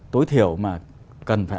tối thiểu mà cần phải